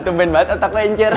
tumben banget otak lo incer